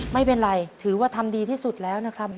ไม่เป็นไรถือว่าทำดีที่สุดแล้วนะครับ